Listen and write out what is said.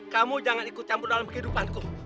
kamu jangan ikut campur dalam kehidupanku